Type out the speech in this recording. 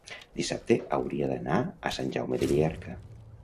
dissabte hauria d'anar a Sant Jaume de Llierca.